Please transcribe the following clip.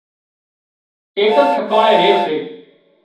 ايڪز ٺڪاڻي ري سي